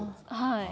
はい。